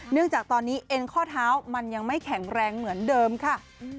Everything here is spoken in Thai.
จากตอนนี้เอ็นข้อเท้ามันยังไม่แข็งแรงเหมือนเดิมค่ะ